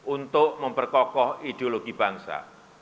untuk memperkokoh ideologi bangsa